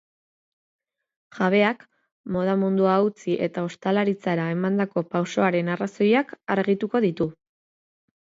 Jabeak moda mundua utzi eta ostalaritzara emandako pausoaren arrazoiak argituko ditu.